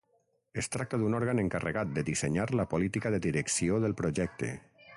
Es tracta d'un òrgan encarregat de dissenyar la política de direcció del projecte.